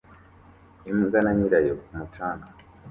Imbwa na nyirayo ku mucanga